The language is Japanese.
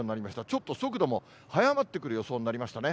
ちょっと速度も早まってくる予想になりましたね。